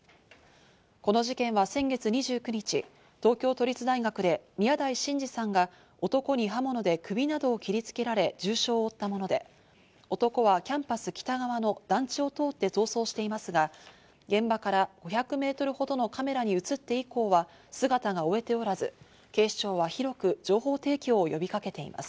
この事件は先月２９日、東京都立大学で宮台真司さんが男に刃物で首などを切りつけられ、重傷を負ったもので、男はキャンパス北側の団地を通って逃走していますが、現場から５００メートルほどのカメラに映って以降は姿が追えておらず、警視庁は広く情報提供を呼びかけています。